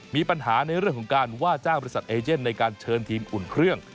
มีปัญหาในเรื่องของการว่าจ้างบริษัทเอเย่นในการเชิญทีมอุ่นเครื่อง